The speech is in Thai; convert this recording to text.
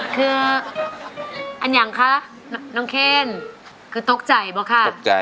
คืออันยังคะน้องเคนคือตกใจบอกค่ะ